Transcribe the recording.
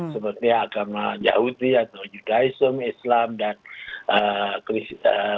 seperti agama yahudi atau judaism islam dan lain lain